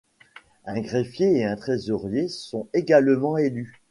Un greffier et un trésorier sont également élus.